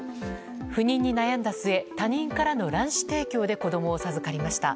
不妊に悩んだ末他人からの卵子提供で子供を授かりました。